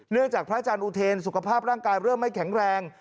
จากพระอาจารย์อุเทนสุขภาพร่างกายเริ่มไม่แข็งแรง